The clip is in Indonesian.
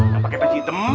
yang pakai panci hitam